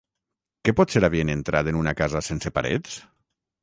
Que potser havien entrat en una casa sense parets?